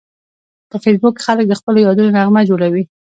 په فېسبوک کې خلک د خپلو یادونو نغمه جوړوي